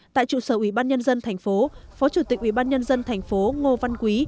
tại trụ sở ủy ban nhân dân thành phố phó chủ tịch ủy ban nhân dân thành phố ngô văn quý